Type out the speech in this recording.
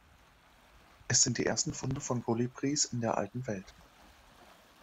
Es sind die ersten Funde von Kolibris in der Alten Welt.